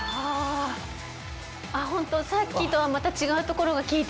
ホントさっきとはまた違う所が効いてて。